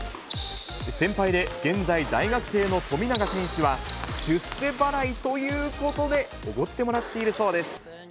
先輩で現在、大学生の富永選手は、出世払いということで、おごってもらっているそうです。